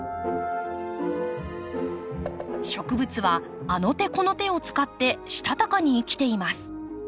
植物はあの手この手を使ってしたたかに生きています。